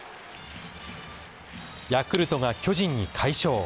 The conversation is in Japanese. ヤクルトが巨人に快勝。